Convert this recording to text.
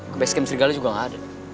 ke base krim serigala juga nggak ada